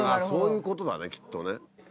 そういうことだねきっとね。